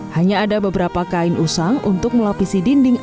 hanya ada beberapa kain usang untuk melapisi dinding